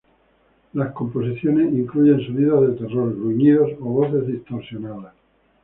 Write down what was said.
Las composiciones incluyen sonidos de terror, gruñidos o voces distorsionadas.